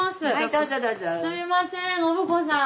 すいません信子さん。